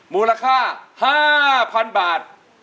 มูลค่า๕๐๐๐บาท